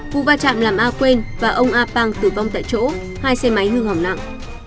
vụ va chạm làm a quên và ông apang tử vong tại chỗ hai xe máy hư hỏng nặng